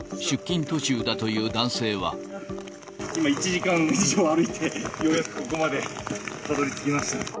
今、１時間以上歩いて、ようやくここまでたどりつきました。